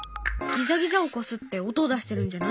ギザギザをこすって音を出してるんじゃない？